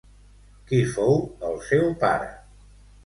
Qui fou el seu pare?